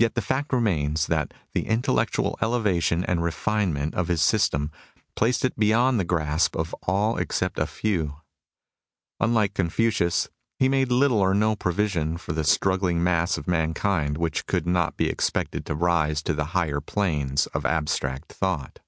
Yet the fact remains that the intellectual elevation and refinement of his system placed it beyond the grasp of all except a few ; unlike Confucius, he made little or no provision for the struggling mass of mankind which could not be expected to rise to the higher planes of abstract thought.